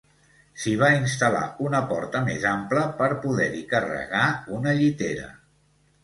S'hi va instal·lar una porta més ampla per poder-hi carregar una llitera.